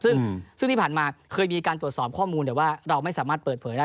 ซึ่งที่ผ่านมาเคยมีการตรวจสอบข้อมูลแต่ว่าเราไม่สามารถเปิดเผยได้